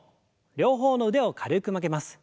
両方の腕を軽く曲げます。